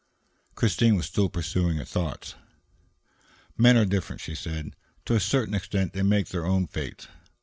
Christine was still pursuing her thoughts. "Men are different," she said. "To a certain extent they make their own fates.